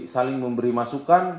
saling memberi masukan